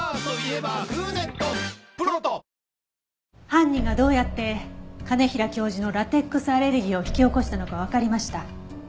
犯人がどうやって兼平教授のラテックスアレルギーを引き起こしたのかわかりました。